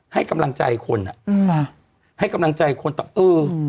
ให้กำลังใจคนอ่ะอืมค่ะให้กำลังใจคนตอบเออ